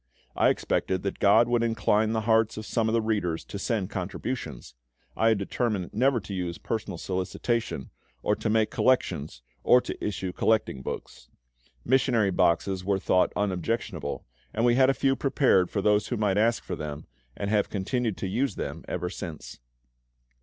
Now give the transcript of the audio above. I expected that GOD would incline the hearts of some of the readers to send contributions: I had determined never to use personal solicitation, or to make collections, or to issue collecting books. Missionary boxes were thought unobjectionable, and we had a few prepared for those who might ask for them, and have continued to use them ever since.